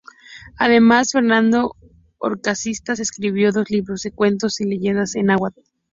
Además, Fernando Horcasitas escribió dos libros de cuentos y leyendas en náhuatl.